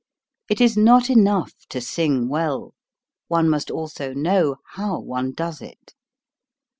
It is not enough to sing well ; one must also know how one does it.